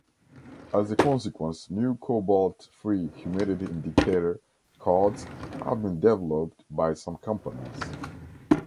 As a consequence, new cobalt-free humidity indicator cards have been developed by some companies.